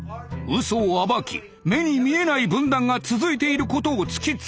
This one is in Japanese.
嘘を暴き目に見えない分断が続いていることを突きつける。